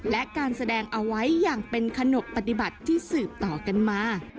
และการแสดงเอาไว้อย่างเป็นขนกปฏิบัติที่สืบต่อกันมา